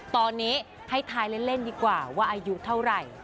ตอนนี้ให้ทายเล่นดีกว่าว่าอายุเท่าไหร่